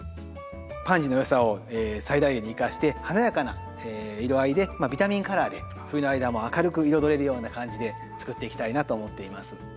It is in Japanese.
パンジーのよさを最大限に生かして華やかな色合いでビタミンカラーで冬の間も明るく彩れるような感じで作っていきたいなと思っています。